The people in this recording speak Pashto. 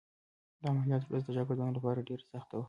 د عملیات ورځ د شاګردانو لپاره ډېره سخته وه.